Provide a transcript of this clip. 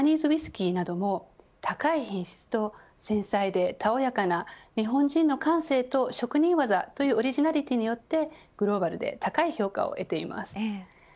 ウイスキーなども高い品質と繊細でたおやかな日本人の感性と職人技というオリジナリティーによってグローバルで高い評価を得ています。